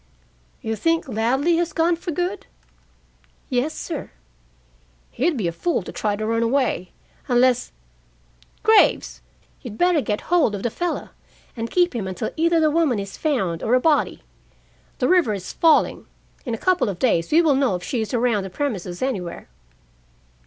"You think Ladley has gone for good?" "Yes, sir." "He'd be a fool to try to run away, unless Graves, you'd better get hold of the fellow, and keep him until either the woman is found or a body. The river is falling. In a couple of days we will know if she is around the premises anywhere."